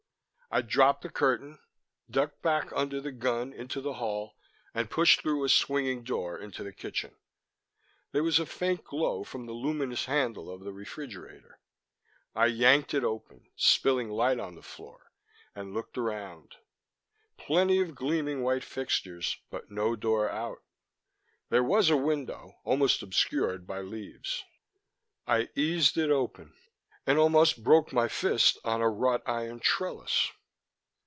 I dropped the curtain, ducked back under the gun into the hall, and pushed through a swinging door into the kitchen. There was a faint glow from the luminous handle of the refrigerator. I yanked it open, spilling light on the floor, and looked around. Plenty of gleaming white fixtures but no door out. There was a window, almost obscured by leaves. I eased it open and almost broke my fist on a wrought iron trellis.